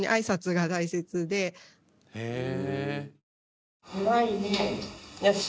へえ。